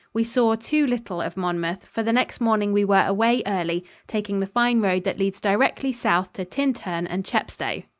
We saw too little of Monmouth, for the next morning we were away early, taking the fine road that leads directly south to Tintern and Chepstow.